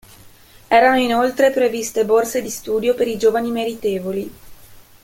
Erano inoltre previste borse di studio per i giovani meritevoli.